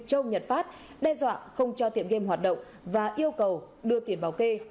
trong nhật pháp đe dọa không cho tiệm game hoạt động và yêu cầu đưa tiền vào kê